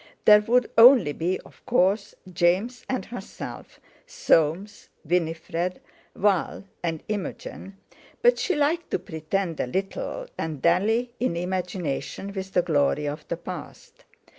There would only be, of course, James and herself, Soames, Winifred, Val, and Imogen—but she liked to pretend a little and dally in imagination with the glory of the past.